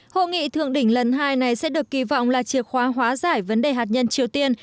hội nghị thượng đỉnh lần hai này sẽ được kỳ vọng là chìa khóa hóa giải vấn đề hạt nhân triều tiên